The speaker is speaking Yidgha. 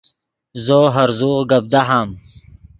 زو ہرزوغ گپ دہام